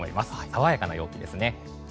爽やかな陽気ですね。